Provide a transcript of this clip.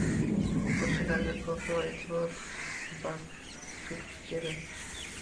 O‘quvchilarga ko‘proq e’tibor va turtki kerak.